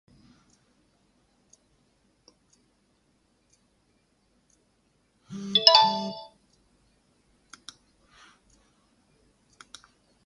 Voorts word probleme ondervind om vakatures vir maatskaplike werkers op hierdie terrein te vul.